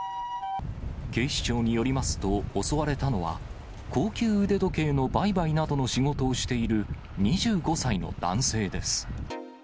警視庁によりますと、襲われたのは、高級腕時計の売買などの仕事をしている２５歳の男性です。